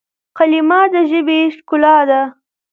کلیمه د ژبي ښکلا ده.